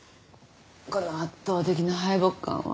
この圧倒的な敗北感は。